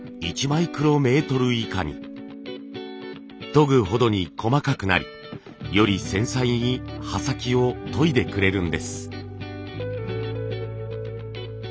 研ぐほどに細かくなりより繊細に刃先を研いでくれるんです。